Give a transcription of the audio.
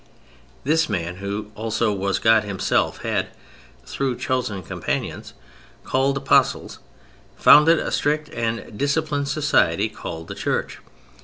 This Man, Who also was God Himself, had, through chosen companions called Apostles, founded a strict and disciplined society called the Church.